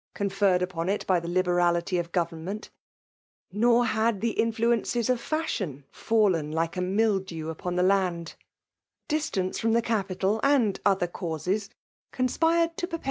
conferred upon it by the liberality ^of g^Yemmemt Nor had the inAuences of fa#l|joi|t fallen like a mildew upon the land : distsMM)^ fipifQ( the cafutal, and other causes, conspired ta; p^fpc.